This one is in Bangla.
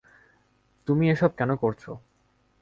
তুমি এসব কেন করছো?